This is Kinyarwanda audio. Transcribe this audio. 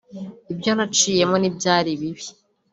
Ibyo naciyemo ntibyari bibi